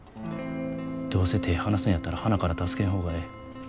どうせ手ぇ離すんやったらはなから助けん方がええ。